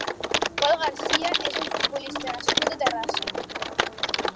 Pol García és un futbolista nascut a Terrassa.